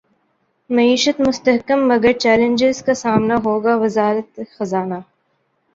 معیشت مستحکم مگر چیلنجز کا سامنا ہوگا وزارت خزانہ